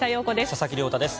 佐々木亮太です。